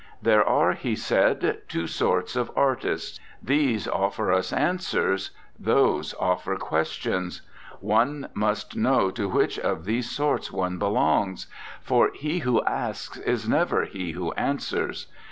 " There are," he said, "two sorts of artists: these offer us answers; those offer questions. One must know to which of these sorts one belongs; for he 39 RECOLLECTIONS OF OSCAR WILDE who asks is never he who answers.